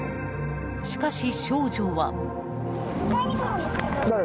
しかし少女は。